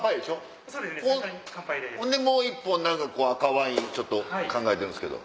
ほんでもう１本赤ワインちょっと考えてるんすけど。